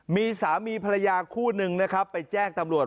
มีสามีภรรยาคู่หนึ่งไปแจ้งตำรวจ